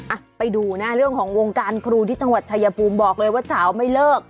อ่ะไปดูนะเรื่องของวงการครูที่จังหวัดชายภูมิบอกเลยว่าเฉาไม่เลิก